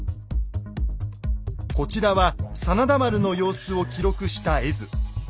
こちらは真田丸の様子を記録した絵図。